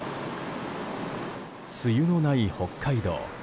梅雨のない北海道。